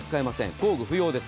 工具不要です。